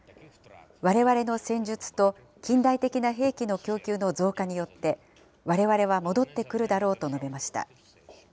われわれの戦術と近代的な兵器の供給の増加によって、われわれは戻ってくるだろうと述べました。